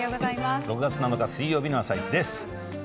６月７日水曜日の「あさイチ」です。